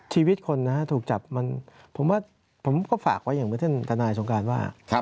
ชีวิตคนนะฮะถูกจับมันผมว่าผมก็ฝากไว้อย่างเมื่อท่านทนายสงการว่า